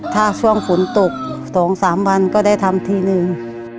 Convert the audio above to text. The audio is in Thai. ถ้าช่วงฝนตก๒๓วันก็ได้ทำทีนึง